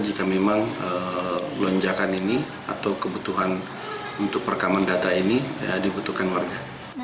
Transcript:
jika memang lonjakan ini atau kebutuhan untuk perekaman data ini dibutuhkan warga